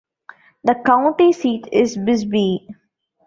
The county seat is Bisbee.